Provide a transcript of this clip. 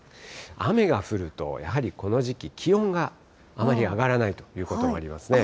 雨が降るとやはりこの時期、気温があまり上がらないということもありますね。